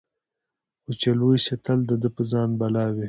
خو چي لوی سي تل د ده په ځان بلاوي